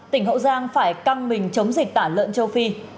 tỉnh hậu giang phải căng mình chống dịch tả lợn châu phi